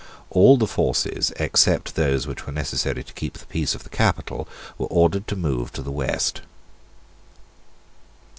All the forces except those which were necessary to keep the peace of the capital were ordered to move to the west.